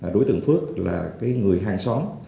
đối tượng phước là người hàng xóm